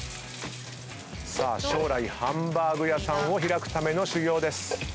さあ将来ハンバーグ屋さんを開くための修業です。